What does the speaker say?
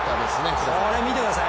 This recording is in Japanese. これ、見てください。